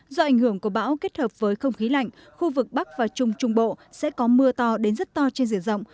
do ảnh hưởng của bão kết hợp với không khí lạnh khu vực bắc và trung trung bộ sẽ có mưa to đến rất to trên diện rộng